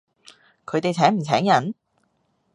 佢哋請唔請人？